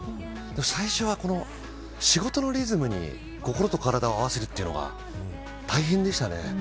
最初は、仕事のリズムに心と体を合わせるのが大変でしたね。